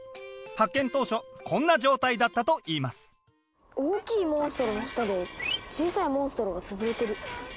発見当初こんな状態だったといいます大きいモンストロの下で小さいモンストロが潰れてる。